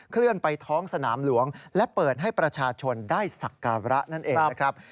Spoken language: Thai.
เคลื่อนไปท้องสนามหลวงและเปิดให้ประชาชนได้สักการะนั่นเองนะครับ